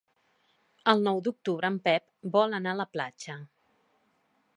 El nou d'octubre en Pep vol anar a la platja.